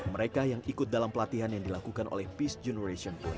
mereka yang ikut dalam pelatihan yang dilakukan oleh peacegen